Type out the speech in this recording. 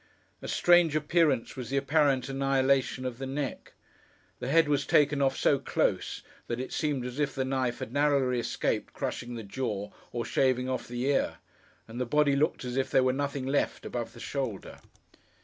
A strange appearance was the apparent annihilation of the neck. The head was taken off so close, that it seemed as if the knife had narrowly escaped crushing the jaw, or shaving off the ear; and the body looked as if there were nothing left above the shoulder.